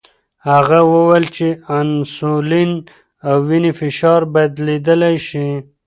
هغه وویل چې انسولین او وینې فشار بدلیدلی شي.